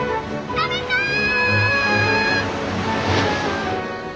食べたい！